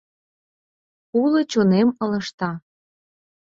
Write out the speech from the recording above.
Уло чонем ылыжта!